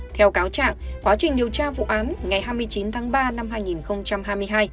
theo cáo trạng quá trình điều tra vụ án ngày hai mươi chín tháng ba năm hai nghìn hai mươi hai